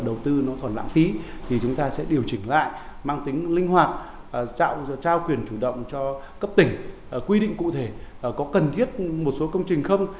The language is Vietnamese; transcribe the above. đầu tư nó còn lãng phí thì chúng ta sẽ điều chỉnh lại mang tính linh hoạt trao quyền chủ động cho cấp tỉnh quy định cụ thể có cần thiết một số công trình không